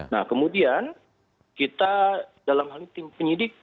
nah kemudian kita dalam hal ini tim penyidik